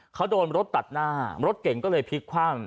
เขาโดนรถตัดหน้ารถเก่งก็เลยพลิกคว่ำ